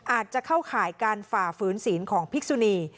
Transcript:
อาจจะเข้าข่ายการฝ่าฝืนศีลของพิกษุนี